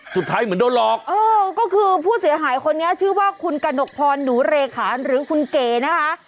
เหมือนโดนหลอกเออก็คือผู้เสียหายคนนี้ชื่อว่าคุณกระหนกพรหนูเรขานหรือคุณเก๋นะคะ